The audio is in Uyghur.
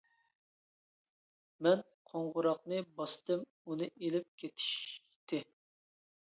مەن قوڭغۇراقنى باستىم ئۇنى ئېلىپ كېتىشتى.